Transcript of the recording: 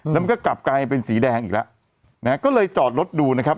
แล้วมันก็กลับกลายเป็นสีแดงอีกแล้วนะฮะก็เลยจอดรถดูนะครับ